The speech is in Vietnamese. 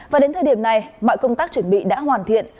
và đến thời điểm này mọi công tác chuẩn bị đã hoàn thiện